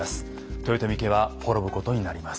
豊臣家は滅ぶことになります。